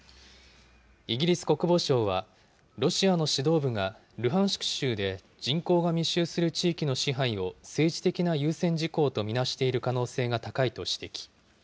イギリス国防省は、ロシアの指導部がルハンシク州で人口が密集する地域の支配を政治的な優先事項と見なしている可能性が高いと指摘。